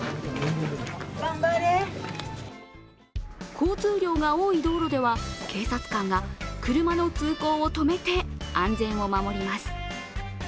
交通量が多い道路では警察官が車の通行を止めて安全を守ります。